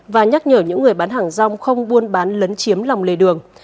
và nhắc nhở những người bán hàng rong không buôn bán lấn chiếm lòng lề đường